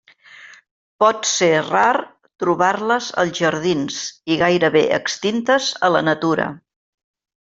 Pot ser rar trobar-les als jardins i gairebé extintes a la natura.